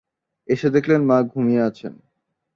এসে দেখলেন মা ঘুমিয়ে আছেন।